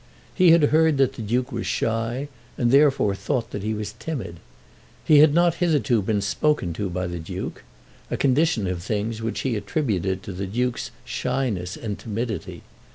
He had heard that the Duke was shy, and therefore thought that he was timid. He had not hitherto been spoken to by the Duke, a condition of things which he attributed to the Duke's shyness and timidity.